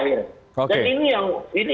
denda lalu kemudian libatkan